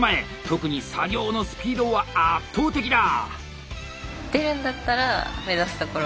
特に作業のスピードは圧倒的だ！